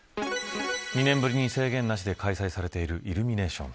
２年ぶりに制限なしで開催されているイルミネーション。